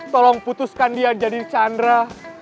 tolong putuskan dia jadi chandra